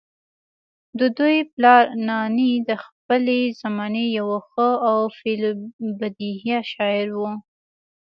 ددوي پلار نانے د خپلې زمانې يو ښۀ او في البديهه شاعر وو